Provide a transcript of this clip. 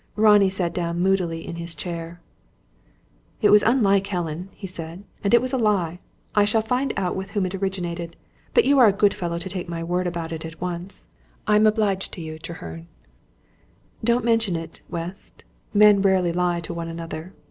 Ronnie sat down moodily in his chair. "It was unlike Helen," he said, "and it was a lie. I shall find out with whom it originated. But you are a good fellow to take my word about it at once. I am obliged to you, Treherne." "Don't mention it, West. Men rarely lie to one another.